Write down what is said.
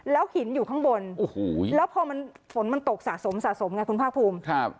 หินอยู่ข้างบนโอ้โหแล้วพอมันฝนมันตกสะสมสะสมไงคุณภาคภูมิ